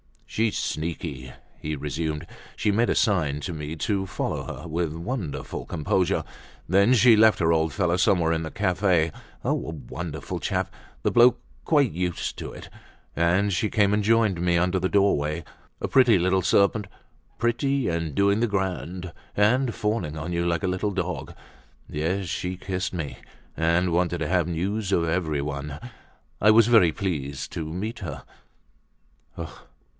"She's sneaky," he resumed. "She made a sign to me to follow her, with wonderful composure. Then she left her old fellow somewhere in a cafe—oh a wonderful chap, the old bloke, quite used up!—and she came and joined me under the doorway. A pretty little serpent, pretty, and doing the grand, and fawning on you like a little dog. Yes, she kissed me, and wanted to have news of everyone—I was very pleased to meet her."